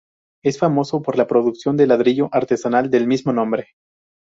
Es famoso por la producción del ladrillo artesanal, del mismo nombre.